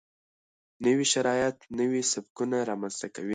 نوي شرایط نوي سبکونه رامنځته کوي.